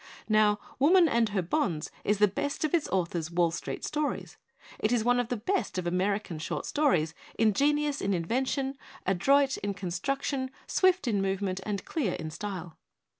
Now, * Woman and Her Bonds' is the best of its author's 'Wall Street Stories'; it is one of the best of American short stories, in genious in invention, adroit in construction, swift in movement and clear in style.